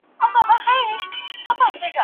د زعفرانو کښت یو سپیڅلی کسب دی.